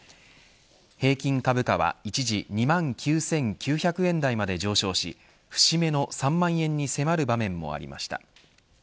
平均株価は一時２万９９００円台まで上昇し節目の３万円に迫る場面もありました。